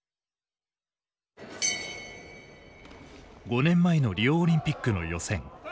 ５年前のリオオリンピックの予選。